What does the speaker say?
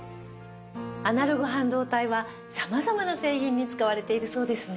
アナログ半導体は様々な製品に使われているそうですね。